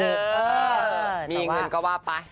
นะว่ามีเงินก็ว่าไป